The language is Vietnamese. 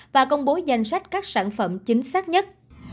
và công bố danh sách các sản phẩm chính xác nhất